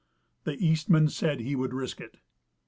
The Eastman said he would risk it.